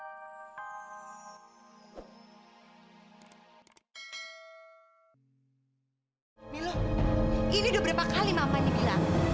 nih lo ini udah berapa kali mama ini bilang